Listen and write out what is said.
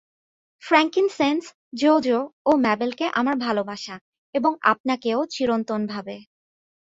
Frankincense, Jo Jo ও ম্যাবেলকে আমার ভালবাসা এবং আপনাকেও চিরন্তনভাবে।